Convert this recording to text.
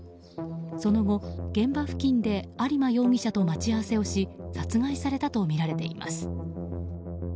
その後、現場付近で有馬容疑者と待ち合わせをし殺害されたとみられています。